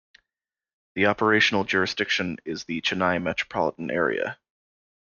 The operational jurisdiction is the Chennai Metropolitan area.